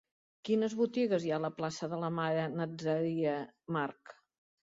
Quines botigues hi ha a la plaça de la Mare Nazaria March?